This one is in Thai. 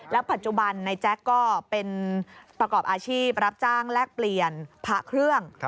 ปัจจุบันในแจ๊กก็เป็นประกอบอาชีพรับจ้างแลกเปลี่ยนพระเครื่อง